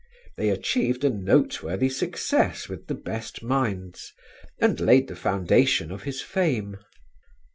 They achieved a noteworthy success with the best minds, and laid the foundation of his fame.